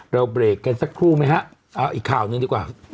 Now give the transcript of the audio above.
เราเบรกกันสักครู่ไหมคะอีกคราวนี้ดีกว่า